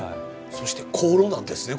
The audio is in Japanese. そして香炉なんですね